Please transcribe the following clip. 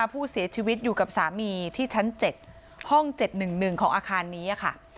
ผู้เสียชีวิตอยู่กับสามีที่ชั้น๗ห้อง๗๑๑ของอาคารนี้ค่ะ